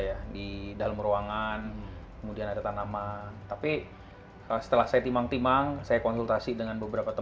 ya di dalam ruangan kemudian ada tanaman tapi setelah saya timang timang saya konsultasi dengan beberapa teman